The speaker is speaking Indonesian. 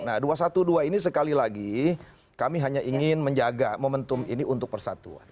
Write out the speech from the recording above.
nah dua ratus dua belas ini sekali lagi kami hanya ingin menjaga momentum ini untuk persatuan